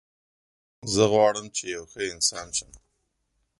زه غواړم چې یو ښه انسان شم